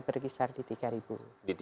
berkisar di tiga ribu